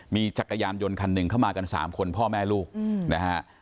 มีจักรยานยนต์คันหนึ่งเข้ามากัน๓คนพ่อแม่ลูกนะฮะ